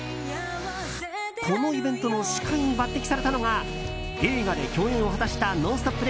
このイベントの司会に抜擢されたのが映画で共演を果たした「ノンストップ！」